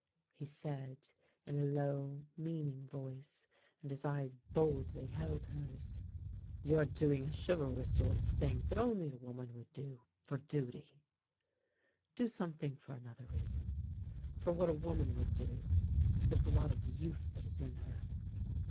" he said, in a low, meaning voice, and his eyes boldly held hers. " You are doing a chivalrous sort of thing that only a woman would do — for duty ; do something for another reason — for what a woman would do — for the blood of youth that is in her."